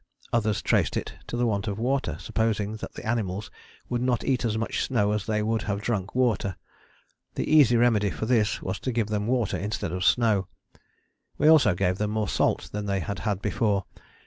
Others traced it to the want of water, supposing that the animals would not eat as much snow as they would have drunk water; the easy remedy for this was to give them water instead of snow. We also gave them more salt than they had had before.